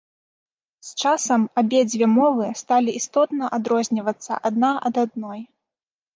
З часам абедзве мовы сталі істотна адрознівацца адна ад адной.